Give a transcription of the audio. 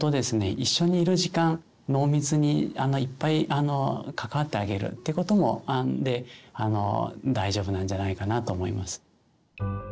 一緒にいる時間濃密にいっぱい関わってあげるってことで大丈夫なんじゃないかなと思います。